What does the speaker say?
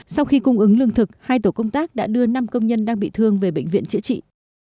sau khi cung ứng lương thực hai tổ công tác đã đưa năm công nhân đang bị thương về bệnh viện chữa trị